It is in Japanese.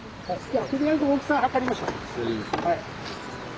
はい。